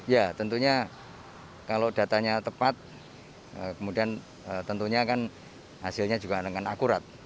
ya tentunya kalau datanya tepat kemudian tentunya kan hasilnya juga dengan akurat